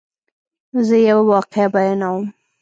زه یوه واقعه بیانوم.